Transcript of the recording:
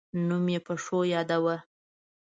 نوم یې په ښو یاداوه.